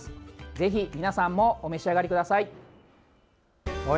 ぜひ、皆さんもお召し上がりください。